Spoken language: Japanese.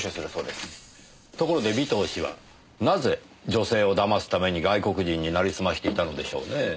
ところで尾藤氏はなぜ女性を騙すために外国人に成りすましていたのでしょうねぇ。